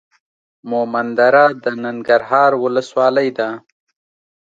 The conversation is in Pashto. مومندره د ننګرهار ولسوالۍ ده.